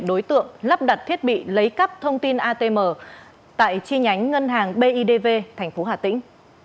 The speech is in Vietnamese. đối tượng lắp đặt thiết bị lấy cắp thông tin atm tại chi nhánh ngân hàng bidv thành phố hà tĩnh